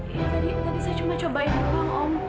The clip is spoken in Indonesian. iya tadi tadi saya cuma cobain gelang om